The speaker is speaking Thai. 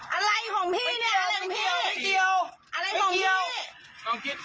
อะไรของพี่เนี่ยตอนนี้อะไรของพี่